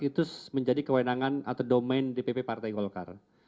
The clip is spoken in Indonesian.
itu menjadi kewenangan atau domain dpp partai golkar